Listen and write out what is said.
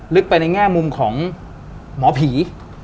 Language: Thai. ลึกไปในแง่มุมของหมอผี